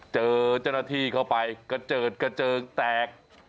เจอเจ้าหน้าที่เข้าไปกระเจิดกระเจิงแตก